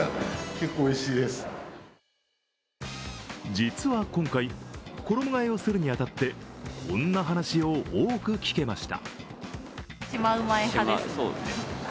実は今回、衣がえをするに当たってこんな話を多く聞けました。